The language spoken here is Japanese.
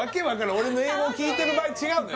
俺の英語を聞いてる場合違うのよ